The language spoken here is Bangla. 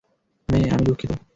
মে, আমি দুঃখিত।